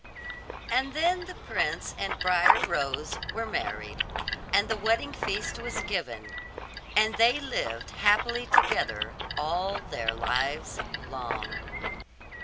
And then the prince and Briar Rose were married, and the wedding feast was given; and they lived happily together all their lives long.